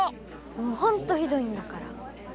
「もうほんとひどいんだから。